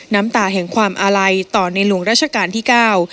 น้ำตาแห่งความอาลัยต่อในหลวงราชการที่เก้า